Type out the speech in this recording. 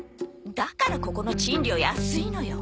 だからここの賃料安いのよ。